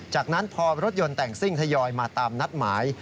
จากนั้นพอรถยนต์แต่งซิ่งทยอยมาตามนัดหมาย